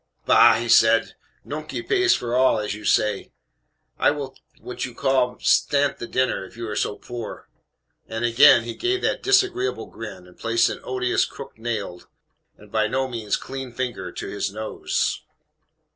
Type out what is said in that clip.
"Bah!" he said. "Nunkey pays for all, as you say. I will what you call stant the dinner, if you are SO POOR!" and again he gave that disagreeable grin, and placed an odious crook nailed and by no means clean finger to his nose.